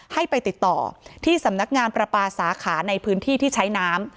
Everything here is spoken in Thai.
ให้ไปติดต่อที่สำนักงานประปาสาขาในพื้นที่ที่ใช้น้ำ